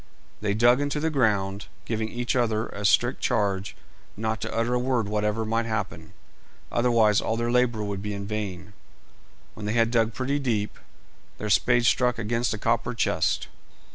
They dug into the ground, giving each other a strict charge not to utter a word whatever might happen, otherwise all their labour would be in vain. When they had dug pretty deep, their spades struck against a copper chest.